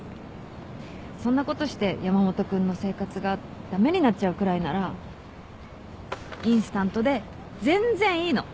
そんなことして山本君の生活が駄目になっちゃうくらいならインスタントで全然いいの。